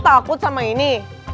takut sama ini